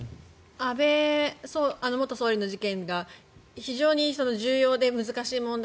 安倍元総理の事件が非常に重要で難しい問題